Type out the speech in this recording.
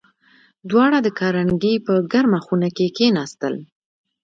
دواړه د کارنګي په ګرمه خونه کې کېناستل